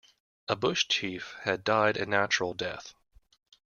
A bush chief had died a natural death.